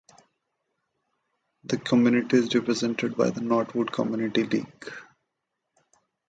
The community is represented by the Knottwood Community League.